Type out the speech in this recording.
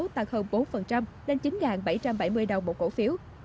tăng hơn bốn lên chín bảy trăm bảy mươi đồng một cổ phiếu